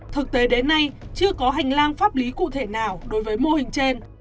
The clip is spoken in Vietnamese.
thực tế đến nay chưa có hành lang pháp lý cụ thể nào đối với mô hình trên